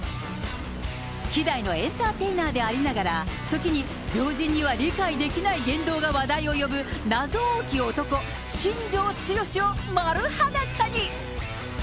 希代のエンターテイナーでありながら、ときに常人には理解できない言動が話題を呼ぶ、謎多き男、新庄剛志を丸裸に。